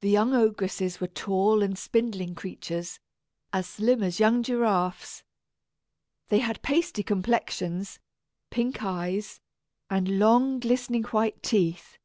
The young ogresses were tall and spindling creatures, as slim as young giraffes. They had pasty complexions, pink eyes, and long glistening white teeth.